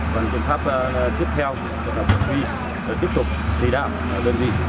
còn kiểm pháp tiếp theo là phục vi tiếp tục chỉ đạo đơn vị